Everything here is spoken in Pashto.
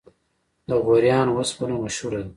د غوریان وسپنه مشهوره ده